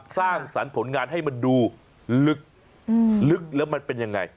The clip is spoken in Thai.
สร้างสรรค์ผลงานให้มันดูลึกแล้วมันเป็นยังไง